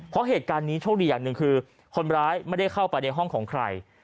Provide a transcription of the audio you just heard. เพราะเหตุการณ์นี้โชคดีอย่างหนึ่งคือคนร้ายไม่ได้เข้าไปในห้องของใคร